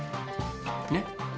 ねっ？